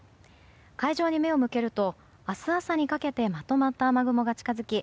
海上に目を向けると明日朝にかけてまとまった雨雲が近づき